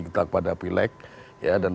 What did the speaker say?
kita kepada pilek dan